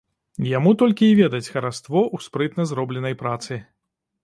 Яму толькі й ведаць хараство ў спрытна зробленай працы.